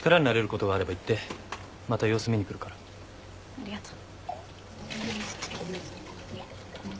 ありがとう。